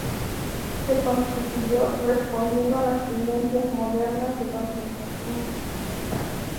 Se constituyó "respondiendo a las tendencias modernas de concentración industrial".